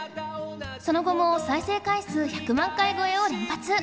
その後も再生回数１００万回超えを連発